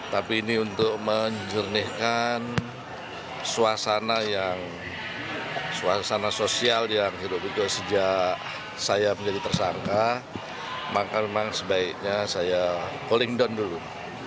tapi ini untuk menjernihkan suasana yang suasana sosial yang hidup betul sejak saya menjadi tersangka maka memang sebaiknya saya calling down dulu